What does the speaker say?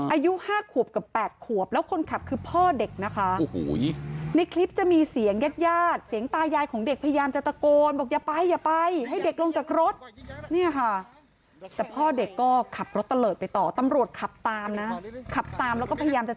อายุห้าขวบกับแปดขวบแล้วคนขับคือพ่อเด็กนะคะ